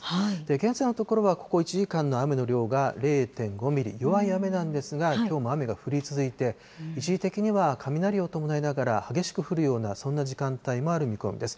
現在のところは、ここ１時間の雨の量が０．５ミリ、弱い雨なんですが、きょうも雨が降り続いて、一時的には雷を伴いながら、激しく降るような、そんな時間帯もある見込みです。